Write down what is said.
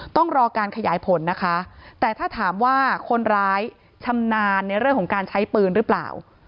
ต้องรอการขยายผลนะคะแต่ถ้าถามว่าคนร้ายชำนาญในเรื่องของการใช้ปืนหรือเปล่า